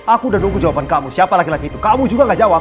aku udah nunggu jawaban kamu siapa lagi lagi itu kamu juga gak jawab